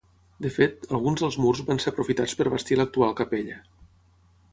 De fet, alguns dels murs van ser aprofitats per bastir l'actual capella.